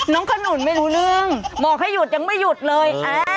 ขนุนไม่รู้เรื่องบอกให้หยุดยังไม่หยุดเลย